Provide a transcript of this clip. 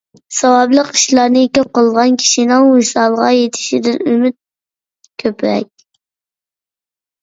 ساۋابلىق ئىشلارنى كۆپ قىلغان كىشىنىڭ ۋىسالغا يېتىشىدىن ئۈمىد كۆپرەك.